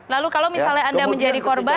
lalu kalau misalnya anda menjadi korban